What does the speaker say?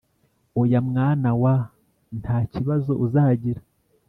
Oya mwana wa! Nta kibazo uzagira,